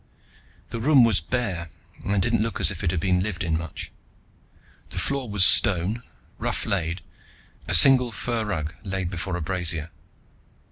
The room was bare and didn't look as if it had been lived in much. The floor was stone, rough laid, a single fur rug laid before a brazier.